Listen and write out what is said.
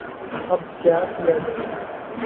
اب کیا کیا جائے؟